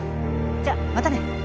じゃまたね。